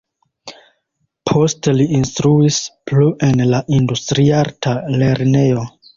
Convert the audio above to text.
Poste li instruis plu en la Industriarta Lernejo.